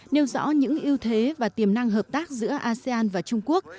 nêu rõ những ưu thế và tiềm năng hợp tác giữa asean và trung quốc